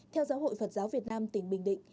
theo giáo hội phật giáo việt nam tỉnh bình định